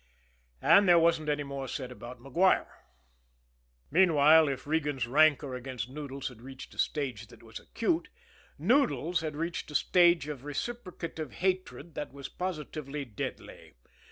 And there wasn't any more said about Maguire. Meanwhile, if Regan's rancor against Noodles had reached a stage that was acute, Noodles had reached a stage of reciprocative hatred that was positively deadly.